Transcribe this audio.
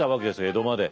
江戸まで。